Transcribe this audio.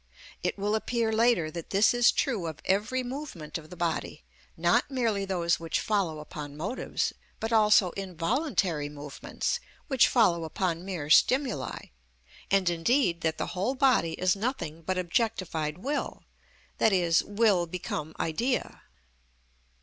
It will appear later that this is true of every movement of the body, not merely those which follow upon motives, but also involuntary movements which follow upon mere stimuli, and, indeed, that the whole body is nothing but objectified will, i.e., will become idea.